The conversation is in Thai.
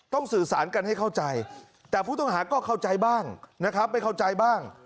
สื่อสารกันให้เข้าใจแต่ผู้ต้องหาก็เข้าใจบ้างนะครับไม่เข้าใจบ้าง